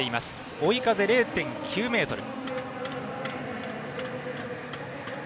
追い風０．９メートル。